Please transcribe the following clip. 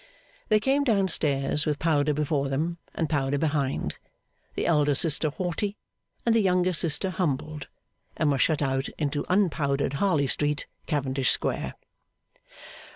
They came down stairs with powder before them and powder behind, the elder sister haughty and the younger sister humbled, and were shut out into unpowdered Harley Street, Cavendish Square.